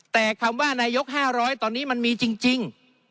แต่คำว่านายก๕๐๐ตอนนี้มันมีจริง